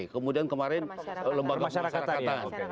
kemudian kemarin lembaga masyarakat